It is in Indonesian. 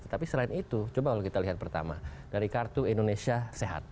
tetapi selain itu coba kalau kita lihat pertama dari kartu indonesia sehat